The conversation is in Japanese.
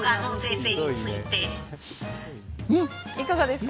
いかがですか。